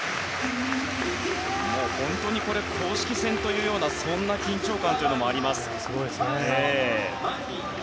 本当に公式戦というようなそんな緊張感があります。